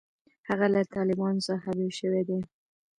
هغه له طالبانو څخه بېل شوی دی.